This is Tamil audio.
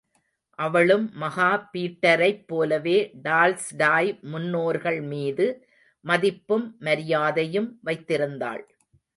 அவளும் மகா பீட்டரைப் போலவே, டால்ஸ்டாய் முன்னோர்கள் மீது மதிப்பும் மரியாதையும் வைத்திருந்தாள்.